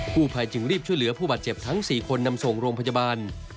ผู้ภัยจึงรีบช่วยเหลือผู้บาดเจ็บทั้ง๔คนนำส่งโรงพยาบาล